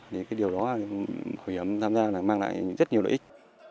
thì cái điều đó bảo hiểm tham gia là mang lại rất nhiều lợi ích